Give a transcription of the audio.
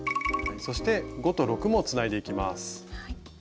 そして５と６もつないでいきます。